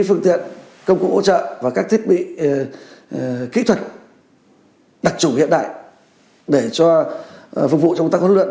phương tiện công cụ hỗ trợ và các thiết bị kỹ thuật đặc chủ hiện đại để cho phục vụ trong công tác huấn luyện